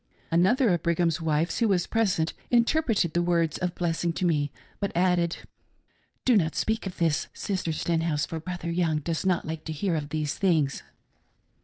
Another of Brigham's wives who was present inter preted the words of blessing to me, but added :" Do not speak of this, Sister Stenhouse, for Brother Young does not like to hear of these things."